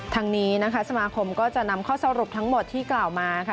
ทางนี้นะคะสมาคมก็จะนำข้อสรุปทั้งหมดที่กล่าวมาค่ะ